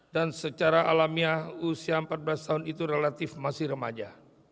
dan secara alamiah usia empat belas tahun itu relatif masih remaja